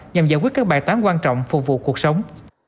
nhằm giải quyết các bài toán quan trọng phục vụ cuộc sống